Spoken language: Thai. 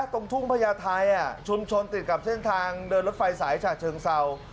ตรงทุ่งพญาไทยชุมชนติดกับเส้นทางเดินรถไฟสายฉะเชิงเศร้า